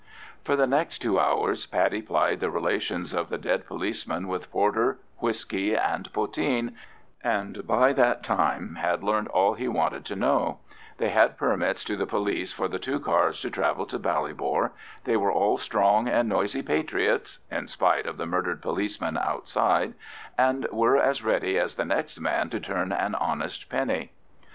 For the next two hours Paddy plied the relations of the dead policeman with porter, whisky, and poteen, and by that time had learnt all he wanted to know: they had permits to the police for the two cars to travel to Ballybor, they were all strong and noisy patriots (in spite of the murdered policeman outside), and were as ready as the next man to turn an honest penny.